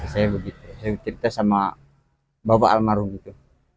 saya cerita sama bapak almarhum gitu